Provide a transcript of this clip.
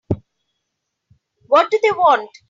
What do they want?